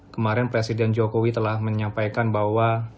kemarin presiden jokowi telah menyampaikan bahwa